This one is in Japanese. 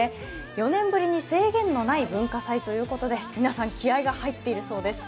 ４年ぶりに制限のない文化祭ということで皆さん、気合いが入っているそうです。